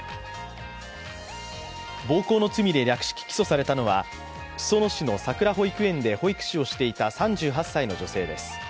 暴行の罪で略式起訴されたのは、裾野市のさくら保育園で保育士をしていた３８歳の女性です。